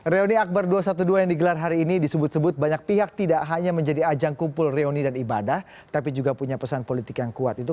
reuni akbar dua ratus dua belas yang digelar hari ini disebut sebut banyak pihak tidak hanya menjadi ajang kumpul reoni dan ibadah tapi juga punya pesan politik yang kuat